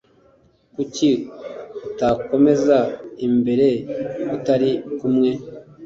Kuki utakomeza imbere utari kumwe